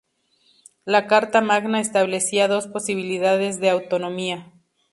La Carta Magna establecía dos posibilidades de autonomía.